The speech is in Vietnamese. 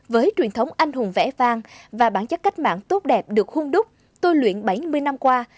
với truyền thống anh hùng vẽ vang và bản chất cách mạng tốt đẹp được hung đúc tôi luyện bảy mươi năm qua